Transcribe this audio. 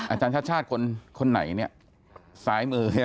อาจารย์ชาติชาติคนไหนเนี่ยซ้ายมือ